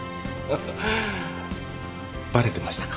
バレてましたか。